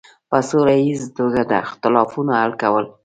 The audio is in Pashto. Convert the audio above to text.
په سوله ییزه توګه د اختلافونو حل کول.